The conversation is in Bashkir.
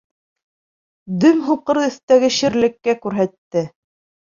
Дөм һуҡыр өҫтәге ширлеккә күрһәтте.